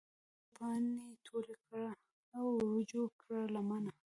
د ګلو پاڼې ټولې کړه ورجوړه کړه لمن